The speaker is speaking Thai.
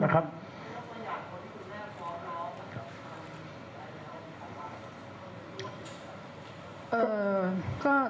แล้วก็อยากคนที่คุณแม่ขอร้องกับค่ะ